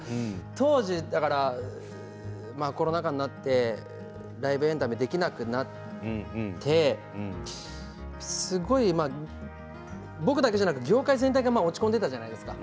当時、コロナ禍になってライブエンタメができなくなってすごい、僕だけでなく業界全体が落ち込んでいたじゃないですか。